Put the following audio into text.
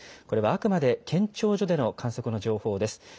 これはあくまで、検潮所での観測の情報です。